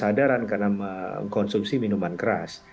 tidak sadaran karena mengkonsumsi minuman keras